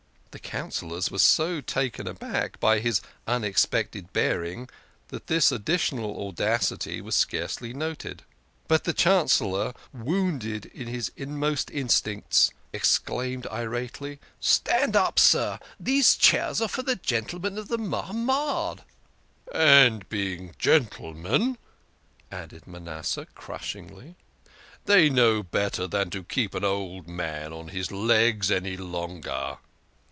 The Coun cillors were so taken aback by his unexpected bearing that this additional audacity was scarcely noted. But the Chan cellor, wounded in his inmost instincts, exclaimed irately, THE KING OF SCHNORRERS. 115 " Stand up, sir. These chairs are for the gentlemen of the Mahamad." " And being gentlemen," added Manasseh crushingly, " they know better than to keep an old man on his legs any longer."